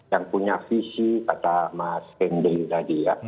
yang punya visi kata mas henry tadi ya